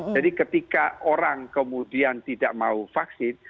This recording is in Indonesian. jadi ketika orang kemudian tidak mau vaksin